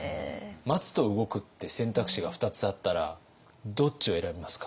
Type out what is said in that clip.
「待つ」と「動く」って選択肢が２つあったらどっちを選びますか？